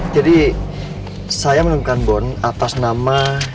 jadi saya menemukan bon atas nama diego